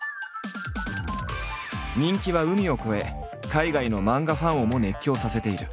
人気は海を超え海外の漫画ファンをも熱狂させている。